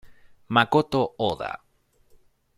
Makoto Oda